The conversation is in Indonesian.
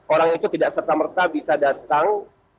orang itu tidak serta merta bisa datang